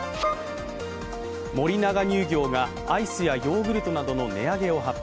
森永乳業がアイスやヨーグルトなどの値上げを発表。